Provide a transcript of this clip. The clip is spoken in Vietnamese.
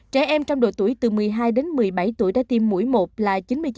trẻ em trong độ tuổi từ một mươi hai đến một mươi bảy tuổi đã tiêm mũi một là chín mươi chín